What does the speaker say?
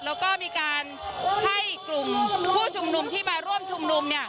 แล้วก็มีการให้กลุ่มผู้ชุมนุมที่มาร่วมชุมนุม